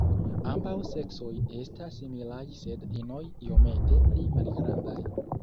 Ambaŭ seksoj esta similaj sed inoj iomete pli malgrandaj.